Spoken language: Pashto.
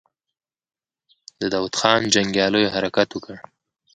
د داوود خان جنګياليو حرکت وکړ.